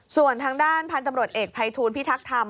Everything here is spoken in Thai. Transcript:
ส่วนทางด้านพันธุ์ตำรวจเอกภัยทูลพิทักษ์ธรรม